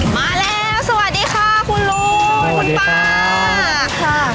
มาแล้วสวัสดีค่ะคุณลุงคุณป้าค่ะ